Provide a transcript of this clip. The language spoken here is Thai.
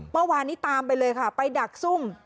เมื่อวานนี้ตามไปเลยค่ะไปดักซุ่ม